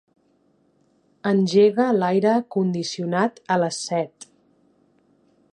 Engega l'aire condicionat a les set.